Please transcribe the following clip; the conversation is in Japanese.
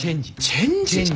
チェンジ！